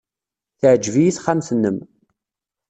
Teɛjeb-iyi texxamt-nnem.